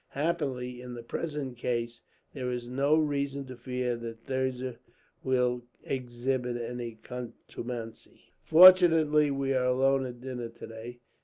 Happily, in the present case, there is no reason to fear that Thirza will exhibit any contumacy. "Fortunately we are alone at dinner, today.